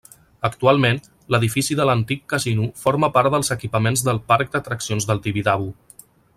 Actualment, l'edifici de l'antic casino forma part dels equipaments del parc d'atraccions del Tibidabo.